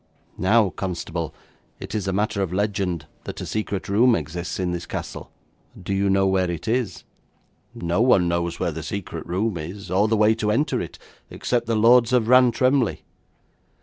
Now, constable, it is a matter of legend that a secret room exists in this castle. Do you know where it is?' 'No one knows where the secret room is, or the way to enter it, except the Lords of Rantremly.'